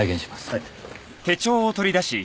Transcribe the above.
はい。